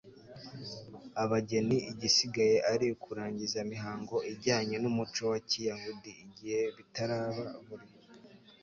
abageni, igisigaye ari ukurangiza imihango ijyanye n'umuco wa kiyahudi. igihe bitaraba, buri